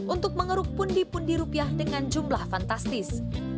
untuk mengeruk pundi pundi rupiah dengan jumlah fantastis